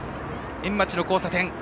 円町の交差点。